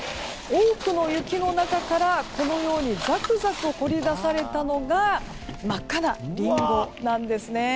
多くの雪の中からザクザク掘り出されたのが真っ赤なリンゴなんです。